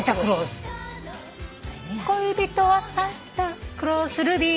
「恋人がサンタクロースルビー」